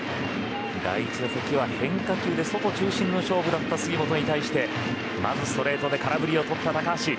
第１打席は変化球で外中心の勝負だった杉本に対してまずストレートで空振りをとった高橋。